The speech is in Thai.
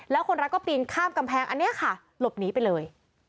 แล้วคนรักก็ปีนข้ามกำแพงอันนี้ค่ะหลบหนีไปเลย